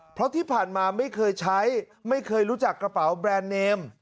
เพราะที่ผ่านมาไม่เคยใช้ไม่เคยรู้จักกระเป๋าแบรนด์เนม